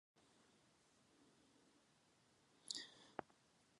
ښځه د ماشومانو په روزنه کې مهم رول لري